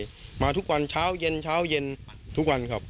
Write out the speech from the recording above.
มาทุกวันเช้าเย็นเช้าเย็นทุกวันครับ